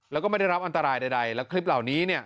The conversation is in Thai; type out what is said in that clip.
แล้วก็ไม่ได้รับอันตรายใดแล้วคลิปเหล่านี้เนี่ย